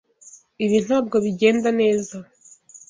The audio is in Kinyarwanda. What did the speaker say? Ibi ntabwo bigenda neza.